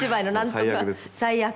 「最悪」